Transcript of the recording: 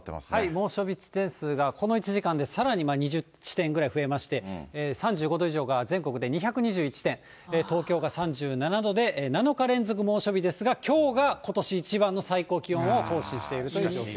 猛暑日地点数ですが、この１時間でさらに２０地点ぐらい増えまして、３５度以上が全国で２２１地点、東京が３７度で、７日連続猛暑日ですが、きょうがことし一番の最高気温を更新しているという状況。